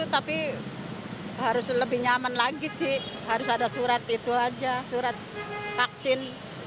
tapi harus lebih nyaman lagi sih harus ada surat itu aja surat vaksin